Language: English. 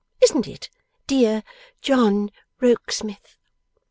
Isn't it dear John Rokesmith?